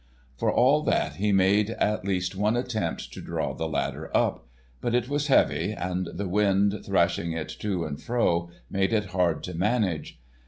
For all that, he made at least one attempt to draw the ladder up. But it was heavy, and the wind, thrashing it to and fro, made it hard to manage.